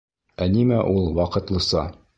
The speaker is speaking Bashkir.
Ә нимә ул «ваҡытлыса»?